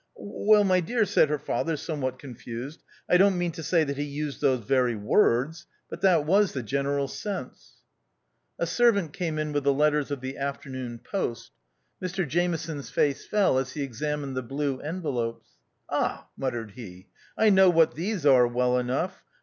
"Well, my dear," said her father some what confused, " I don't mean to say he used those very words, but that was the general sense." THE OUTCAST. 97 A servant came in with the letters of the afternoon post. Mr Jameson's face fell as he examined the blue envelopes. "Ah !" muttered he, " I know what these are well enough.